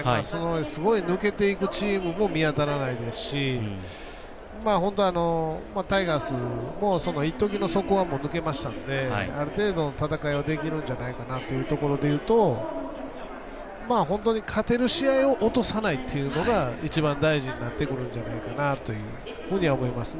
すごい抜けていくチームも見当たらないですしタイガースも一時の底はもう抜けましたのである程度の戦いはできるんじゃないかなというところでいうと本当に勝てる試合を落とさないっていうのが一番大事になってくるんじゃないかなというふうに思います。